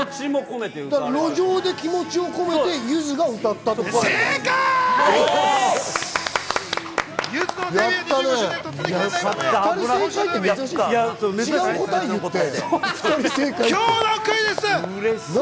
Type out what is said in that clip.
路上で気持ちを込めてゆずが歌ったんだよな。